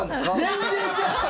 全然してない！